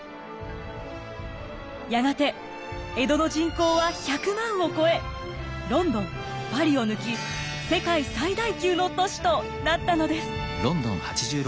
やがて江戸の人口は１００万を超えロンドンパリを抜き世界最大級の都市となったのです。